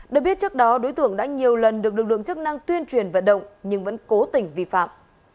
được biết trước đó đối tượng đã nhiều lần được lực lượng chức năng tuyên truyền vận động nhưng vẫn cố tình vi phạm